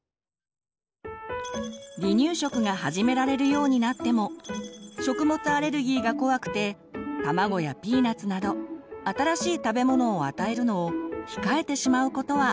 離乳食が始められるようになっても食物アレルギーが怖くて卵やピーナツなど新しい食べ物を与えるのを控えてしまうことはありませんか？